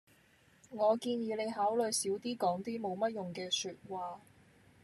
我建議你考慮少啲講啲冇乜用嘅說話